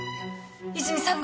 泉さんが！？